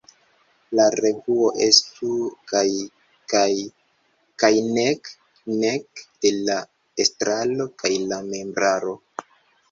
La revuo estu kaj-kaj, kaj nek-nek de la estraro kaj la membraro.